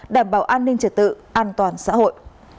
đảm bảo an ninh trật tự an toàn xã hội